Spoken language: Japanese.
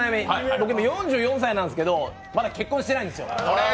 僕、４４歳なんですけどまだ結婚してないんですよ。